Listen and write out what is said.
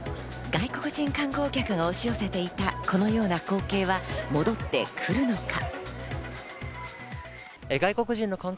外国人観光客が押し寄せていたこのような光景は戻ってくるのか？